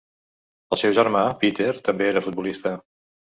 El seu germà, Peter, també era futbolista.